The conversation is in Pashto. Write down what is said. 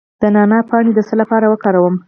د نعناع پاڼې د څه لپاره وکاروم؟